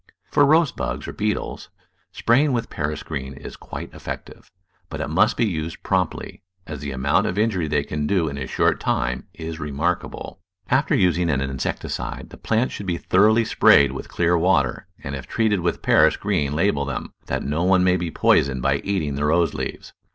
For rose bugs, or beetles, spraying with Paris green is quite effective, but it must be used promptly, as the amount of injury they can do in a short time is remarkable. After using an insecticide, the plants should be thoroughly sprayed with clear water, and if treated with Paris green label them, that no one may be poisoned by eating the rose leaves.